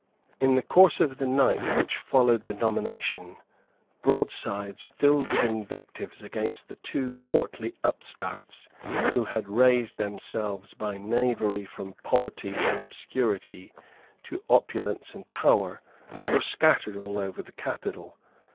In the course of the night which followed the nomination, broadsides filled with invectives against the two courtly upstarts who had raised themselves by knavery from poverty and obscurity to opulence and power were scattered all over the capital.